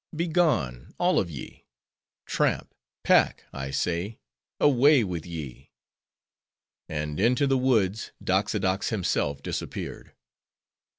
Begone—all of ye! tramp! pack! I say: away with ye!" and into the woods Doxodox himself disappeared.